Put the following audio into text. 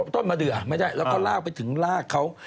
ต้นมะเดือไม่ได้แล้วก็ลากไปถึงลากเขา